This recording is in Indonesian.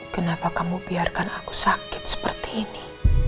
kenapa kamu biarkan aku sakit seperti ini